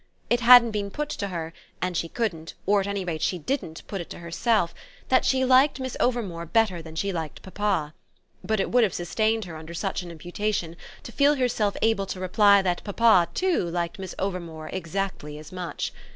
It hadn't been put to her, and she couldn't, or at any rate she didn't, put it to herself, that she liked Miss Overmore better than she liked papa; but it would have sustained her under such an imputation to feel herself able to reply that papa too liked Miss Overmore exactly as much.